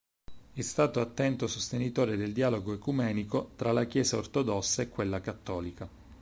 È stato attento sostenitore del dialogo ecumenico tra la Chiesa Ortodossa e quella Cattolica.